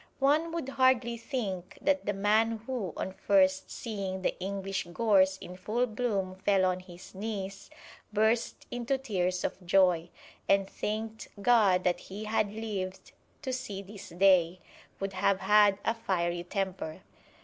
One would hardly think that the man who on first seeing the English gorse in full bloom fell on his knees, burst into tears of joy, and thanked God that he had lived to see this day, would have had a fiery temper.